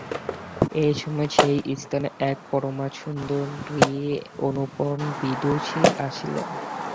এই সময়ে সেই স্থানে এক পরমাসুন্দরী অনুপম বিদুষী আসিলেন।